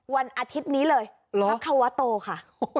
วันอาทิตย์นี้เลยพักควโตค่ะ